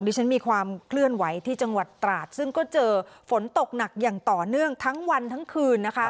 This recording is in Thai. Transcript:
ฉันมีความเคลื่อนไหวที่จังหวัดตราดซึ่งก็เจอฝนตกหนักอย่างต่อเนื่องทั้งวันทั้งคืนนะคะ